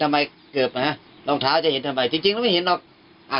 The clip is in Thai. ทำไมเกิบมาฮะรองเท้าจะเห็นทำไมจริงจริงไม่เห็นหรอกอ่า